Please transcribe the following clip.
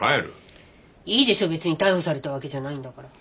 いいでしょ別に逮捕されたわけじゃないんだから。